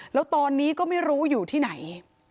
แล้วตอนนี้ก็ไม่รู้อยู่ที่ไหน